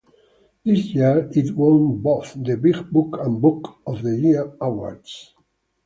This year it won both the Big Book and Book of the Year awards.